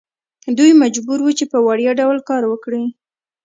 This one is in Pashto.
دوی مجبور وو چې په وړیا ډول کار وکړي.